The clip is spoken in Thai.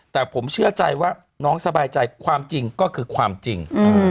แต่ผมเชื่อใจว่าน้องสบายใจความจริงก็คือความจริง